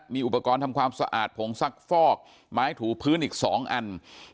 มีอุปกรณ์ทำความสะอาดผงซักฟอกไม้ถูพื้นอีก๒อัน